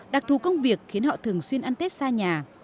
đặc thù công việc khiến họ thường xuyên ăn tết xa nhà